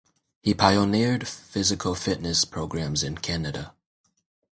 He pioneered physical fitness programs in Canada.